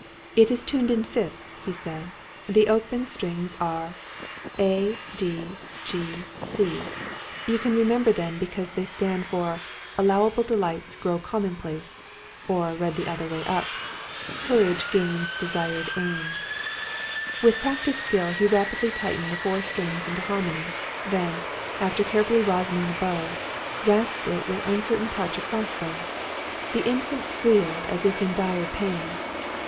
"It is tuned in fifths," he said. "The open strings are A, D, G, C. You can remember them, because they stand for 'Allowable Delights Grow Commonplace'; or, read the other way up: 'Courage Gains Desired Aims.'" With practised skill he rapidly tightened the four strings into harmony; then, after carefully rosining the bow, rasped it with uncertain touch across them. The Infant squealed, as if in dire pain.